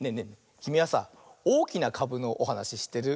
きみはさ「おおきなかぶ」のおはなししってる？